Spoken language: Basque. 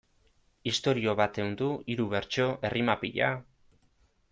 Istorio bat ehundu, hiru bertso, errima pila...